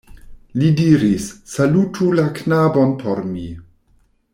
Li diris: "Salutu la knabon por mi.